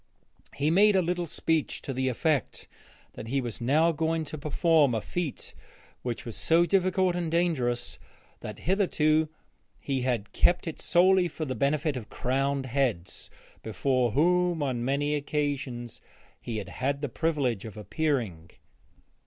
He made a little speech to the effect that he was now going to perform a feat which was so difficult and dangerous that hitherto he had kept it solely for the benefit of crowned heads, before whom on many occasions he had had the privilege of appearing.